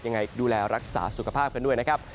ยังไงดูแลรักษาสุขภาพกันด้วยนะครับ